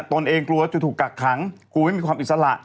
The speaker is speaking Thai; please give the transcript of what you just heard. ตนเองกลัวจะถูกกักขังกลัวไม่มีความอิสระ